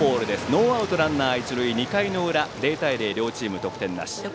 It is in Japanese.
ノーアウトランナー、一塁２回の裏、０対０両チーム、得点なし。